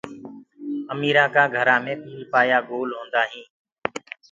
اميرآ ڪآ گھرآ مي پيٚلپآيآ گول هوندآ هين۔